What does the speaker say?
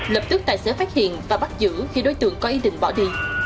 lập tức tài xế phát hiện và bắt giữ khi đối tượng có ý định bỏ đi